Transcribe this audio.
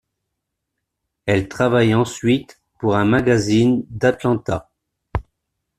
Elle travaille ensuite pour un magazine d'Atlanta.